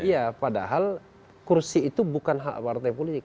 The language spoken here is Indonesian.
iya padahal kursi itu bukan hak partai politik